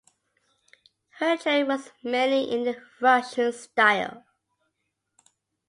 Her training was mainly in the Russian style.